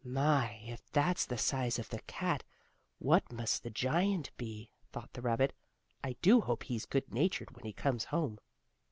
"My, if that's the size of the cat, what must the giant be," thought the rabbit. "I do hope he's good natured when he comes home."